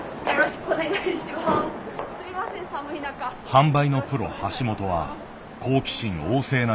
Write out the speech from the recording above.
販売のプロ橋本は好奇心旺盛な人だった。